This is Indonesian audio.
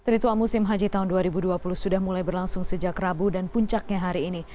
ritual musim haji tahun dua ribu dua puluh sudah mulai berlangsung sejak rabu dan puncaknya hari ini